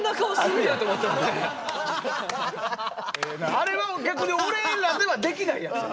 あれは逆に俺らではできないやつよ。